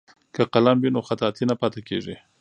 که قلم وي نو خطاطي نه پاتې کیږي.